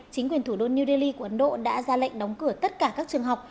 chính quyền thủ đô new delhi của ấn độ đã ra lệnh đóng cửa tất cả các trường học